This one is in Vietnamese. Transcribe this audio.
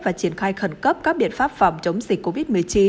và triển khai khẩn cấp các biện pháp phòng chống dịch covid một mươi chín